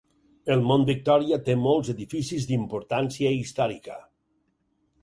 El mont Victòria té molts edificis d'importància històrica.